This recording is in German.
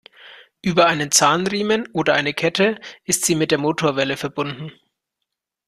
Über einen Zahnriemen oder eine Kette ist sie mit der Motorwelle verbunden.